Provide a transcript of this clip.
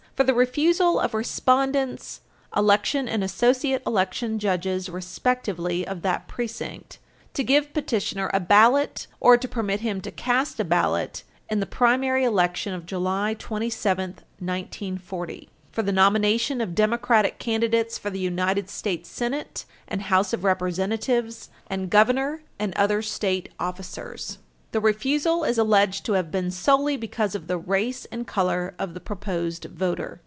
651 for the refusal of respondents, election and associate election judges, respectively, of that precinct, to give petitioner a ballot or to permit him to cast a ballot in the primary election of July 27, 1940, for the nomination of Democratic candidates for the United States Senate and House of Representatives, and Governor and other state officers. The refusal is alleged to have been solely because of the race and color of the proposed voter.